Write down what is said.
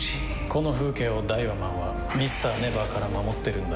この風景をダイワマンはＭｒ．ＮＥＶＥＲから守ってるんだ。